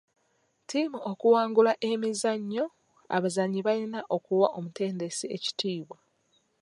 Ttiimu okuwangula emizannyo, abazannyi balina okuwa omutendesi ekitiibwa.